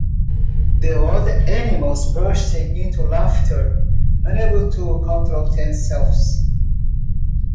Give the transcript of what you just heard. The other animals burst into laughter, unable to control themselves.